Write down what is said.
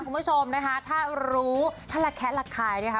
คุณผู้ชมนะคะถ้ารู้ถ้าระแคะระคายนะคะ